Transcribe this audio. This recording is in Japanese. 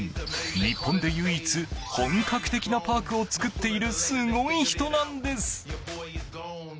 日本で唯一、本格的なパークを作っているすごい人なんです。